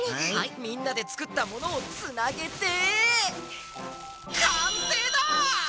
みんなでつくったものをつなげてかんせいだ！